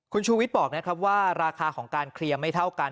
คุณชูวิทย์บอกนะครับว่าราคาของการเคลียร์ไม่เท่ากัน